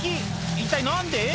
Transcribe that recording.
一体何で？